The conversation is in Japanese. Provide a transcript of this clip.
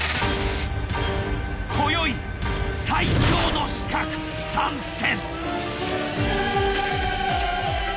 今宵最強の刺客参戦！